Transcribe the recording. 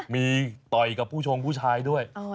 มีต่อยกับผู้ชงผู้ชายด้วย